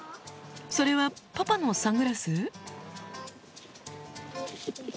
それはパパのサングラス？